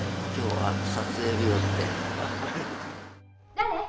誰？